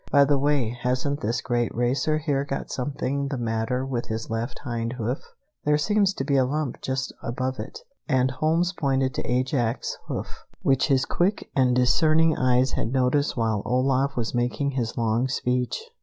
"By the way, hasn't this great racer here got something the matter with his left hind hoof? There seems to be a lump just above it." And Holmes pointed to Ajax's hoof, which his quick and discerning eyes had noticed while Olaf was making his long speech.